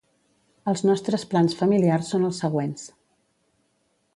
Els nostres plans familiars són els següents:.